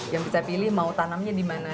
yang bisa pilih mau tanamnya di mana